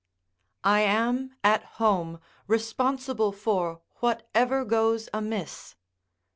] I am at home responsible for whatever goes amiss.